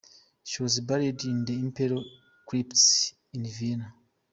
She was buried in the Imperial Crypt, in Vienna.